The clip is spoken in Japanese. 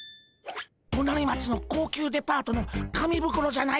隣町の高級デパートの紙袋じゃないでゴンスか？